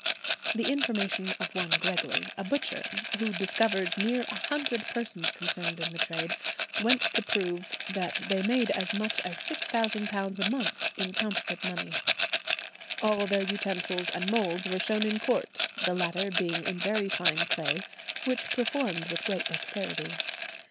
The information of one Gregory, a butcher, who "discovered" near a hundred persons concerned in the trade, went to prove that they made as much as £6,000 a month in counterfeit money. "All their utensils and moulds were shown in court, the latter being in very fine clay, which performed with great dexterity."